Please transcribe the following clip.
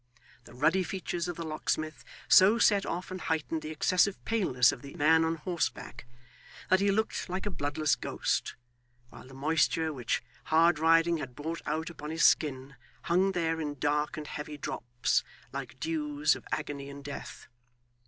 The ruddy features of the locksmith so set off and heightened the excessive paleness of the man on horseback, that he looked like a bloodless ghost, while the moisture, which hard riding had brought out upon his skin, hung there in dark and heavy drops, like dews of agony and death.